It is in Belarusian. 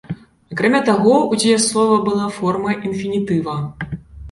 Акрамя таго, у дзеяслова была форма інфінітыва.